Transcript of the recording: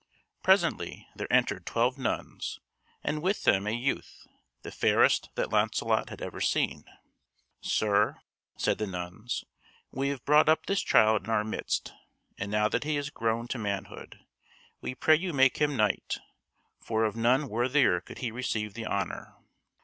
Presently there entered twelve nuns and with them a youth, the fairest that Launcelot had ever seen. "Sir," said the nuns, "we have brought up this child in our midst, and now that he is grown to manhood, we pray you make him knight, for of none worthier could he receive the honour."